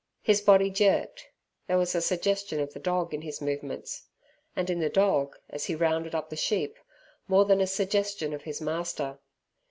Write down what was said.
His body jerked; there was a suggestion of the dog in his movements; and in the dog, as he rounded up the sheep, more than a suggestion of his master.